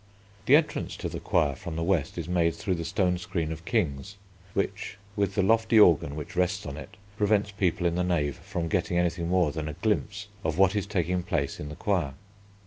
The entrance to the Choir from the west is made through the stone screen of Kings, which, with the lofty organ which rests on it, prevents people in the Nave from getting anything more than a glimpse of what is taking place in the Choir.